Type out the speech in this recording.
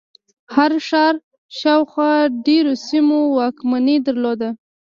هر ښار شاوخوا ډېرو سیمو واکمني درلوده.